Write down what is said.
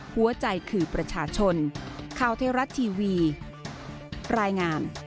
หัวใจคือประชาชน